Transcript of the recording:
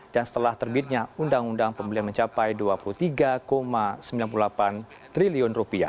dan setelah terbitnya undang undang pembelian mencapai rp dua puluh tiga sembilan puluh delapan triliun